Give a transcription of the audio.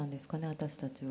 私たちは。